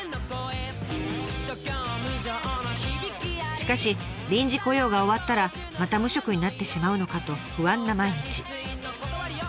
しかし臨時雇用が終わったらまた無職になってしまうのかと不安な毎日。